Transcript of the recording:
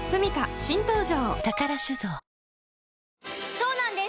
そうなんです